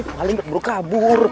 ini maling keburu kabur